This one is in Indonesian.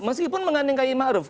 meskipun mengganding kiai maruf